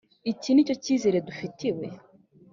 iki ni cyo cyizere dufitiwe?